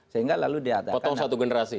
sehingga lalu diadakan satu generasi